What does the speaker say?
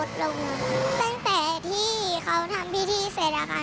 ตั้งแต่ที่เขาทำพิธีเสร็จอะค่ะ